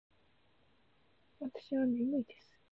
わたしはねむいです。